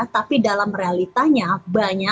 tapi dalam realitanya